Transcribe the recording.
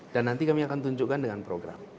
dan nanti kami akan tunjukkan dengan program